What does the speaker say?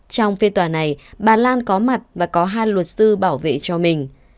trong phiên tòa này bà lan có mặt và có hai luật sư bảo vệ cho mình